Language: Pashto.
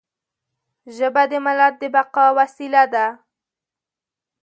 ژبه د ملت د بقا وسیله ده.